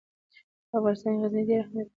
په افغانستان کې غزني ډېر اهمیت لري.